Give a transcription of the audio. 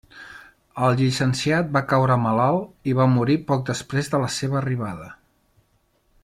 El llicenciat va caure malalt i va morir poc després de la seva arribada.